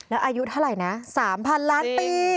แล้วอายุเท่าไหร่นะ๓๐๐๐ล้านปี